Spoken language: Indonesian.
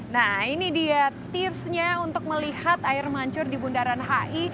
nah ini dia tipsnya untuk melihat air mancur di bundaran hi